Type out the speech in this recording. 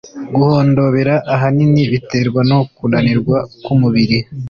guhondobera ahanini biterwa no kunanirwa k'umubiri,